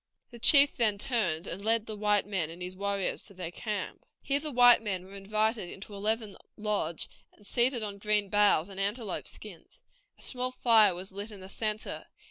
The chief then turned and led the white men and his warriors to their camp. Here the white men were invited into a leathern lodge, and seated on green boughs and antelope skins. A small fire was lit in the centre.